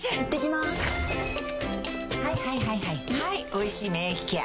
はい「おいしい免疫ケア」